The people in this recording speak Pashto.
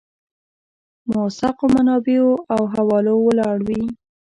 موثقو منابعو او حوالو ولاړ وي.